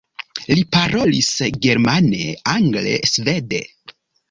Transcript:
Li parolis germane, angle, svede.